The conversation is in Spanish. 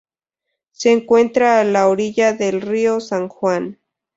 Se encuentra a la orilla del río San Juan.